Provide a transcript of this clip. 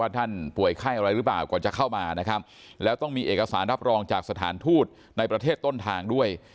ท่านป่วยไข้อะไรหรือเปล่าก่อนจะเข้ามานะครับแล้วต้องมีเอกสารรับรองจากสถานทูตในประเทศต้นทางด้วย